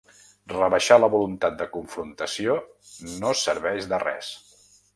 Rebaixar la voluntat de confrontació no serveix de res.